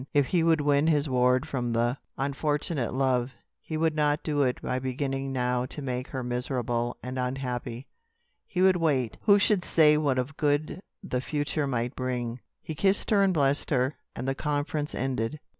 If he would win his ward from the unfortunate love, he would not do it by beginning now to make her miserable and unhappy. He would wait. Who should say what of good the future might bring? He kissed her and blessed her, and the conference ended.